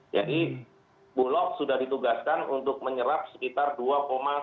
jadi bulog sudah ditugaskan untuk menyerap sekitar dua sembilan belas juta ton